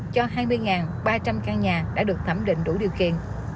cho hai mươi ba trăm linh căn nhà đã được thẩm định đủ điều kiện